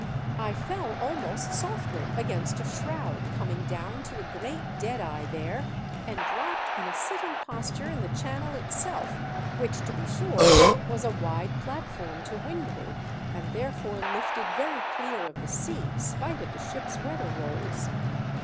I fell almost softly against a shroud coming down to a great dead eye there and dropped in a sitting posture in the channel itself, which to be sure was a wide platform to windward, and therefore lifted very clear of the sea, spite of the ship's weather rolls.